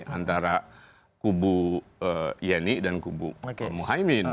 antara kubu yeni dan kubu muhammad haimin